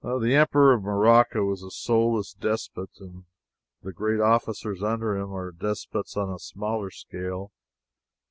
The Emperor of Morocco is a soulless despot, and the great officers under him are despots on a smaller scale.